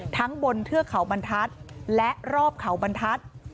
บนเทือกเขาบรรทัศน์และรอบเขาบรรทัศน์